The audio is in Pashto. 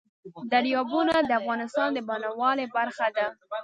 دریابونه د افغانستان د بڼوالۍ برخه ده.